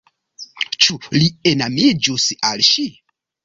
Ĉu li enamiĝus al ŝi?